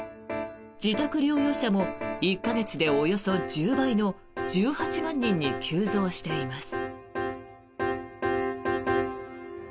自宅療養者も１か月でおよそ１０倍の１８万人に急増しています。